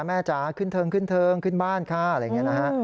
แม่จ๋าขึ้นเทิงขึ้นบ้านค่ะอะไรอย่างนี้นะฮะ